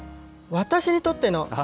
私にとっての？